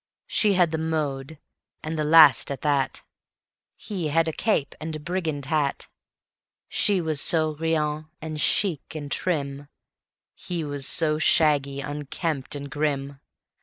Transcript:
She had the mode, and the last at that; He had a cape and a brigand hat. She was so riant and chic and trim; He was so shaggy, unkempt and grim.